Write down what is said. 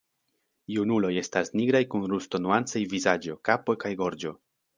Junuloj estas nigraj kun rusto-nuancaj vizaĝo, kapo kaj gorĝo.